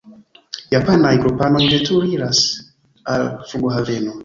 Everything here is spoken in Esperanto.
Japanaj grupanoj veturis al flughaveno.